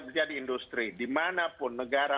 menjadi industri dimanapun negara